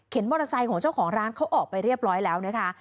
มอเตอร์ไซค์ของเจ้าของร้านเขาออกไปเรียบร้อยแล้วนะคะ